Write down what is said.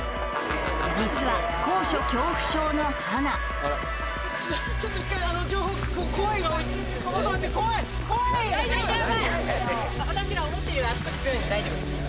実は高所恐怖症のはな大丈夫！